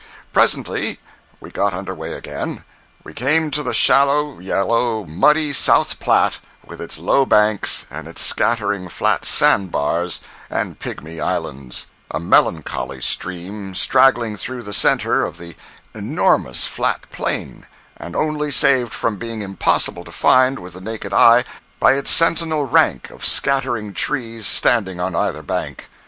Presently we got under way again. We came to the shallow, yellow, muddy South Platte, with its low banks and its scattering flat sand bars and pigmy islands—a melancholy stream straggling through the centre of the enormous flat plain, and only saved from being impossible to find with the naked eye by its sentinel rank of scattering trees standing on either bank.